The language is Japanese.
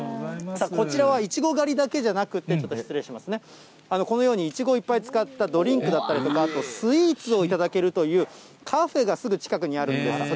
さあこちらは、いちご狩りだけじゃなくて、ちょっと失礼しますね、このように、いちごをいっぱい使ったドリンクだったりとか、スイーツを頂けるというカフェがすぐ近くにあるんです。